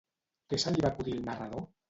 Què se li va acudir al narrador?